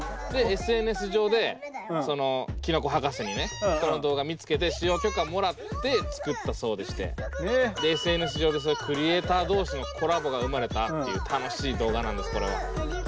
ＳＮＳ上でそのきのこ博士にねこの動画見つけて使用許可もらって作ったそうでしてＳＮＳ上でクリエイター同士のコラボが生まれたっていう楽しい動画なんです。